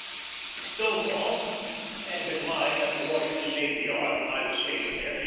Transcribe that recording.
The Stonewall had been lying at the Washington Navy Yard when I was stationed there in 1866.